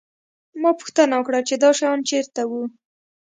ما پوښتنه وکړه چې دا شیان چېرته وو